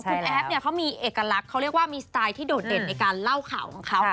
คุณแอฟเนี่ยเขามีเอกลักษณ์เขาเรียกว่ามีสไตล์ที่โดดเด่นในการเล่าข่าวของเขา